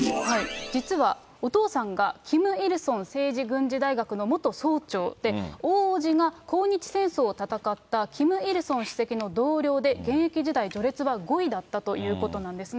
実は、お父さんが、キム・イルソン政治軍事大学の元総長で、大叔父が抗日戦争を戦ったキム・イルソン主席の同僚で、現役時代、序列は５位だったということなんですね。